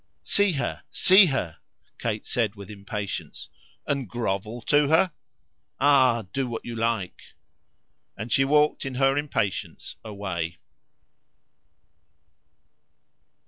"See her, see her," Kate said with impatience. "And grovel to her?" "Ah do what you like!" And she walked in her impatience away.